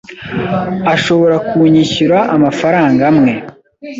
Ashobora kunyishyura amafaranga amwe.